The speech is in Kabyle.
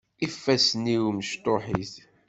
Ifassen-iw mecṭuḥit.